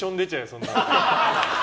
そんなの。